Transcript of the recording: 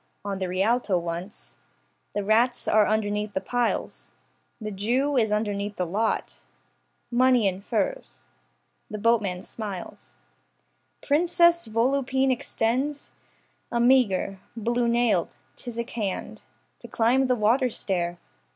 On the Rialto once. The rats are underneath the piles. The jew is underneath the lot. Money in furs. The boatman smiles, Princess Volupine extends A meagre, blue nailed, phthisic hand To climb the waterstair.